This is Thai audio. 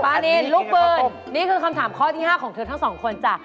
นินลูกปืนนี่คือคำถามข้อที่๕ของเธอทั้งสองคนจ้ะ